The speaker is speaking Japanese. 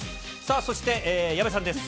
そして矢部さんです。